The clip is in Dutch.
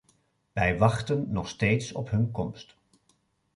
We wachten nog steeds op hun komst.